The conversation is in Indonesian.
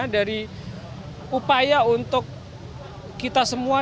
dari upaya untuk kita semua